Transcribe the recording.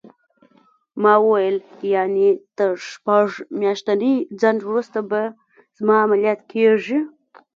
ما وویل: یعنې تر شپږ میاشتني ځنډ وروسته به زما عملیات کېږي؟